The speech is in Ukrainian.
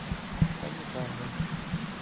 — Санітарний.